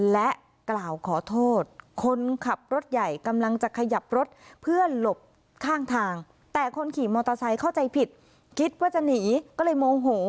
และกล่าวขอโทษคนขับรถใหญ่กำลังจะขยับรถเพื่อหลบข้างทางแต่คนขี่มอเตอร์ไซค์เข้าใจผิดคิดว่าจะหนีก็เลยโมโห